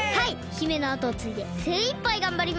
姫のあとをついでせいいっぱいがんばります！